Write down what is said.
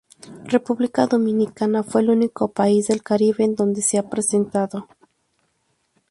República Dominicana fue el único país del caribe en donde se ha presentado.